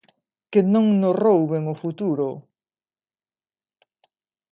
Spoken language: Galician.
"Que non nos rouben o futuro!".